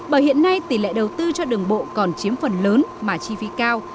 bởi hiện nay tỷ lệ đầu tư cho đường bộ còn chiếm phần lớn mà chi phí cao